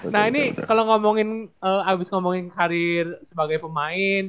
nah ini kalau ngomongin abis ngomongin karir sebagai pemain